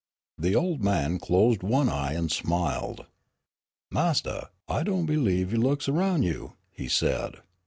The old man closed one eye and smiled. "Mastah, I don' b'lieve you looks erroun' you," he said.